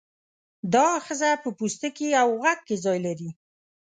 دا آخذه په پوستکي او غوږ کې ځای لري.